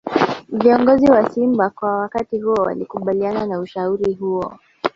Viongozi wa Simba kwa wakati huo walikubaliana na ushauri huo